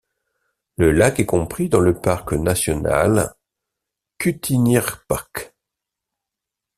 Le lac est compris dans le parc national Quttinirpaaq.